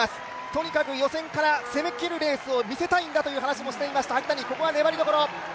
とにかく予選から攻めきるレースを見せたいんだという話もしていました萩谷、ここは粘りどころ！